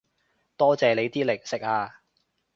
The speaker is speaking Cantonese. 多謝你啲零食啊